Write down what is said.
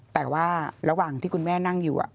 แต่ว่าระหว่างที่คุณแม่นั่งอยู่